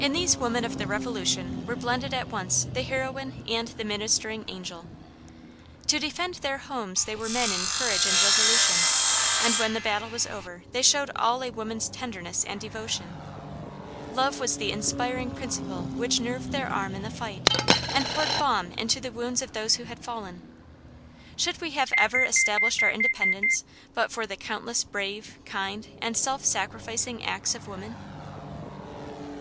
In these women of the Revolution were blended at once the heroine and the "Ministering Angel." To defend their homes they were men in courage and resolution, and when the battle was over they showed all a woman's tenderness and devotion. Love was the inspiring principle which nerved their arm in the fight, and poured balm into the wounds of those who had fallen. Should we have ever established our Independence but for the countless brave, kind, and self sacrificing acts of woman?